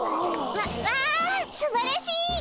わわあすばらしいっ。